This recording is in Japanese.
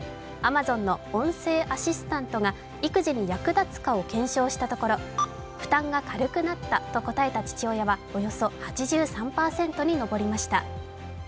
Ａｍａｚｏｎの音声アシスタントが育児に役立つかを検証したところ負担が軽くなったと答えた父親はおよそ８３％に上りました。